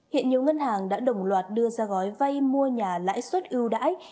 hiện nhiều ngân hàng đã đồng loạt đưa ra gói vay mua nhà lãi suất ưu đãi